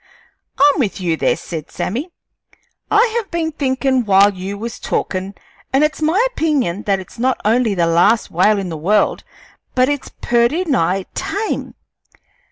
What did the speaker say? "I'm with you there," said Sammy. "I have been thinkin' while you was talkin', an' it's my opinion that it's not only the last whale in the world, but it's purty nigh tame.